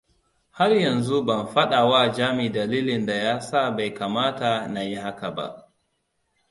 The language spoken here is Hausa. Har yanzu ban faɗawa Jami dalilin da yasa bai kamata na yi haka ba.